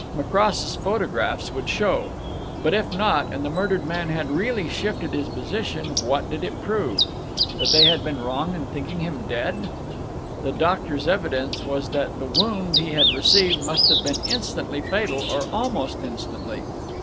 Macross's photographs would show. But if not, and the murdered man had really shifted his position, what did it prove? That they had been wrong in thinking him dead? The doctor's evidence was that the wound he had received must have been instantly fatal, or almost instantly.